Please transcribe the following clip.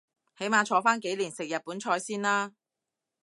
起碼坐返幾年食日本菜先啦